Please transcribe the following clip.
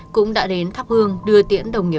cũng đã đến tháp hương đưa tiễn đồng ý